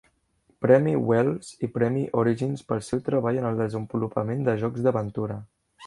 Premi Wells i premi Origins pel seu treball en el desenvolupament de jocs d'aventura.